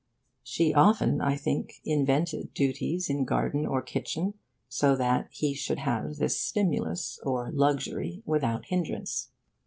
She often, I think, invented duties in garden or kitchen so that he should have this stimulus, or luxury, without hindrance.